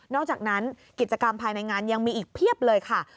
อกจากนั้นกิจกรรมภายในงานยังมีอีกเพียบเลยค่ะ